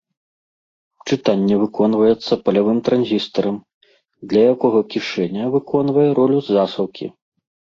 Чытанне выконваецца палявым транзістарам, для якога кішэня выконвае ролю засаўкі.